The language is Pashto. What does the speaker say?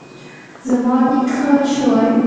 زما لیک ښه شوی.